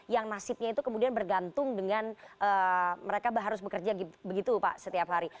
yang nasibnya itu kemudian bergantung dengan mereka harus bekerja begitu pak setiap hari